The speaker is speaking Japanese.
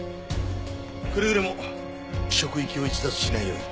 くれぐれも職域を逸脱しないように。